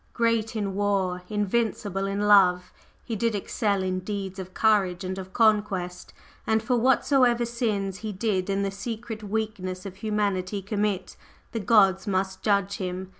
Great in War, Invincible in Love, he did Excel in Deeds of Courage and of Conquest, and for whatsoever Sins he did in the secret Weakness of humanity commit, the Gods must judge him.